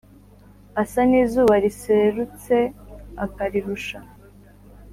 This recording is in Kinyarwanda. asa nizuba riserutse akarirusha